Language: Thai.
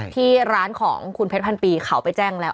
ที่ร้านของคุณเพชรพันปีเขาไปแจ้งแล้ว